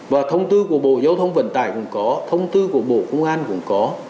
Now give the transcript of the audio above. và thông tư của bộ giao thông vận tải cũng có thông tư của bộ công an cũng có